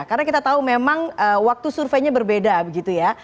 karena kita tahu memang waktu surveinya berbeda begitu ya